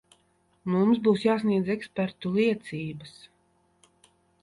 Mums būs jāsniedz ekspertu liecības.